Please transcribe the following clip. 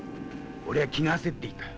俺は気が焦っていた。